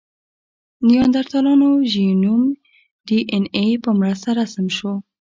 د نیاندرتالانو ژینوم د ډياېناې په مرسته رسم شو.